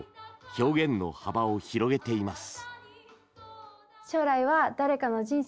表現の幅を広げています。